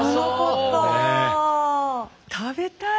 食べたい！